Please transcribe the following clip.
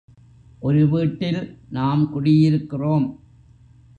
ஒரு வீட்டில் நாம் குடியிருக்கிறோம்.